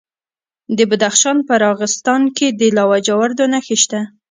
د بدخشان په راغستان کې د لاجوردو نښې شته.